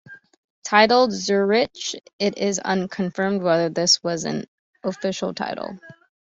Titled "Zurich", it is unconfirmed whether this was an official title.